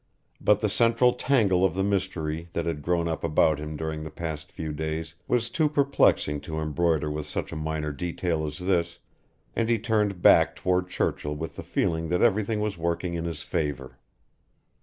But the central tangle of the mystery that had grown up about him during the past few days was too perplexing to embroider with such a minor detail as this, and he turned back toward Churchill with the feeling that everything was working in his favor.